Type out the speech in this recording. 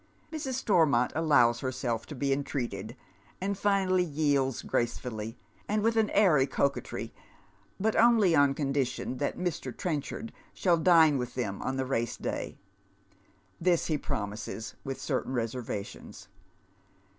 Mrs. Stormont allows herself to be enti eated, and finally yields gracefully, and •v\ ith an airy coquetry, but only on condition that iir. Trenchard shall dine vdxh them on the race day. This ha promises, with certain reservarions.